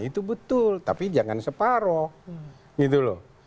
itu betul tapi jangan separoh gitu loh